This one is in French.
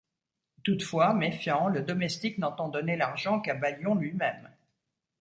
Toutefois, méfiant, le domestique n'entend donner l'argent qu'à Ballion lui-même.